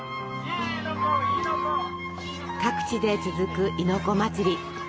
各地で続く亥の子祭り。